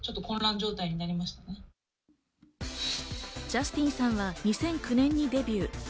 ジャスティンさんは２００９年にデビュー。